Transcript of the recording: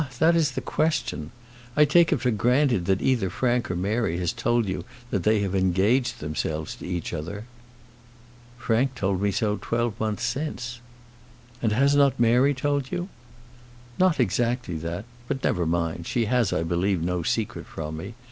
that is the question. I take it for granted that either Frank or Mary has told you that they have engaged themselves to each other." "Frank told me so twelve months since." "And has not Mary told you?" "Not exactly that. But, never mind; she has, I believe, no secret from me.